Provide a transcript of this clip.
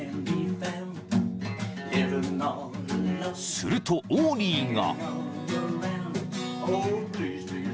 ［するとオーリーが］